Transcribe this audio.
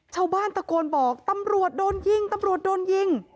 ชาวบ้านตะโกนบอกตำรวจโดนยิงตำรวจโดนยิง